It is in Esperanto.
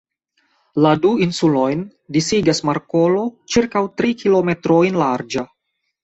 La du insulojn disigas markolo ĉirkaŭ tri kilometrojn larĝa.